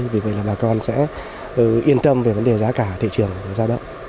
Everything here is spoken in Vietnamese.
vì vậy là bà con sẽ yên tâm về vấn đề giá cả thị trường giao động